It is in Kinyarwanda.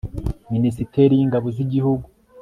minisiteri y'ingabo z'igihugu